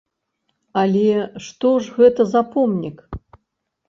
Але што ж гэта за помнік?